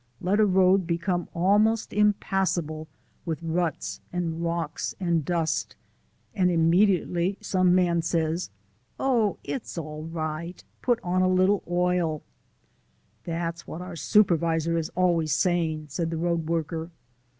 "Let a road become almost impassable with ruts and rocks and dust, and immediately some man says, 'Oh, it's all right put on a little oil '" "That's what our supervisor is always sayin'," said the road worker.